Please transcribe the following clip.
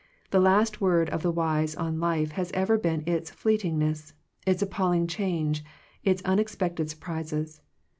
The last word of the wise on life has ever been its fleetingness, its appalling changes, its unexpected sur prises.